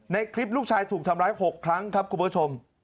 ในคลิปลูกชายถูกทำร้าย๖ครั้งครับคุณผู้ชม